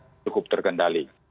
di masyarakat cukup terkendali